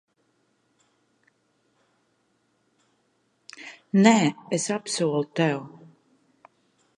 Nē, es apsolu tev.